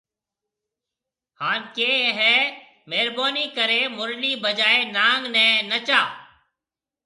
ھان ڪي ھيَََ مھربوني ڪري مُرلي بجائي نانگ ني نچا